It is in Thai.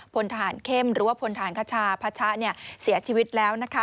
พลทหารเข้มหรือว่าพลฐานคชาพัชะเสียชีวิตแล้วนะคะ